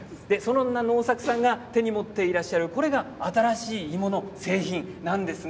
能作さんが手に持っていらっしゃる、これが新しい鋳物製品なんです。